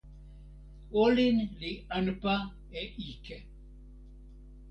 olin li anpa e ike.